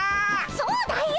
そうだよ！